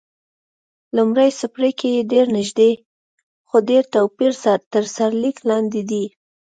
لومړی څپرکی یې ډېر نږدې، خو ډېر توپیر تر سرلیک لاندې دی.